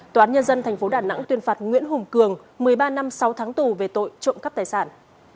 tòa án nhân dân tp đà nẵng tuyên phạt nguyễn hùng cường một mươi ba năm sáu tháng tù về tội trộm cắp tài sản